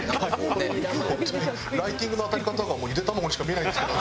本当にライティングの当たり方がもうゆで卵にしか見えないんですけど。